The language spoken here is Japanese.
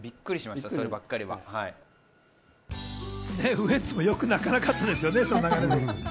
ウエンツもよく泣かなかったですよね、その流れ。